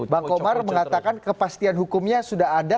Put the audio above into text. bang komar mengatakan kepastian hukumnya sudah ada